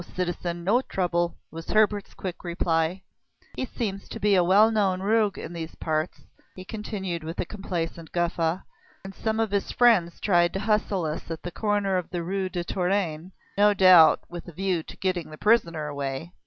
citizen, no trouble," was Hebert's quick reply. "He seems to be a well known rogue in these parts," he continued with a complacent guffaw; "and some of his friends tried to hustle us at the corner of the Rue de Tourraine; no doubt with a view to getting the prisoner away.